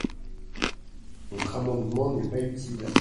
Votre amendement n’est pas utile.